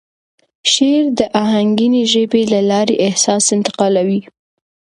شعر د آهنګینې ژبې له لارې احساس انتقالوي.